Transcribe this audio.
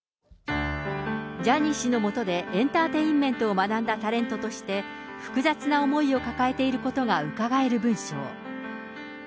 ジャニー氏の下でエンターテインメントを学んだタレントとして、複雑な思いを抱えていることがうかがえる文章。